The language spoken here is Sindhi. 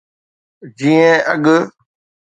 جيئن اڳ.